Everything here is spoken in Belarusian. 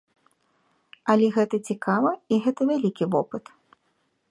Але гэта цікава і гэта вялікі вопыт.